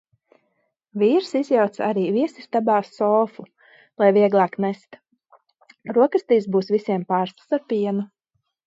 Vīrs izjauca arī viesistabā sofu, lai vieglāk nest. Brokastīs būs visiem pārslas ar pienu.